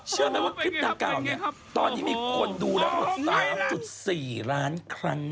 เชื่อมั้ยว่าคริปนั้นเก่าตอนนี้มีคนดูแรตอยู่สามจุดสี่ล้านครั้ง